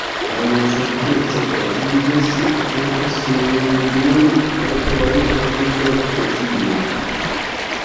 La necerteco baziĝas ĉefe sur du etaj afrikaj specioj.